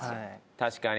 確かに。